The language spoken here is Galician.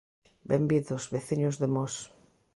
Benvidos, veciños de Mos.